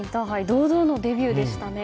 堂々のデビューでしたね。